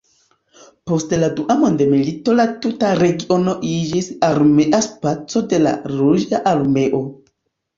Post la Dua mondmilito la tuta regiono iĝis armea spaco de la Ruĝa Armeo.